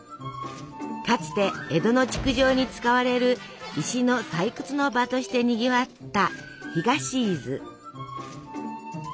かつて江戸の築城に使われる石の採掘の場としてにぎわった東伊豆。